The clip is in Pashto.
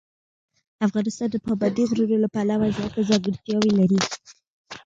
افغانستان د پابندي غرونو له پلوه ځانته ځانګړتیاوې لري.